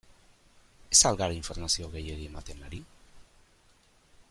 Ez al gara informazio gehiegi ematen ari?